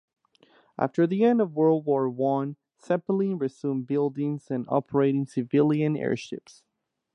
After the end of World War One Zeppelin resumed building and operating civilian airships.